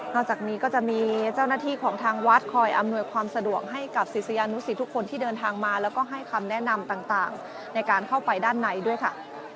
จากนี้ก็จะมีเจ้าหน้าที่ของทางวัดคอยอำนวยความสะดวกให้กับศิษยานุสิตทุกคนที่เดินทางมาแล้วก็ให้คำแนะนำต่างในการเข้าไปด้านในด้วยค่ะ